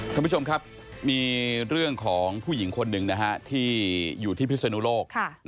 ท่านผู้ชมครับมีเรื่องของผู้หญิงคนหนึ่งที่อยู่ที่พิศนุโลก